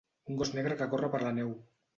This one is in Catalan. Un gos negre que corre per la neu.